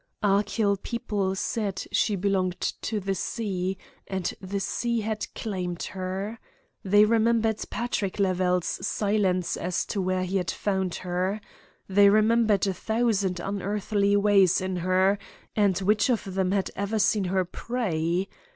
Achill people said she belonged to the sea, and the sea had claimed her. They remembered Patrick Lavelle's silence as to where he had found her. They remembered a thousand unearthly ways in her; and which of them had ever seen her pray?